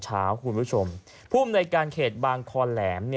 คุณผู้ชมภูมิในการเขตบางคอแหลม